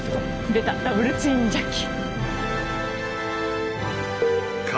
出たダブルツインジャッキ。